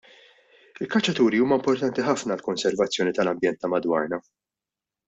Il-kaċċaturi huma importanti ħafna għall-konservazzjoni tal-ambjent ta' madwarna.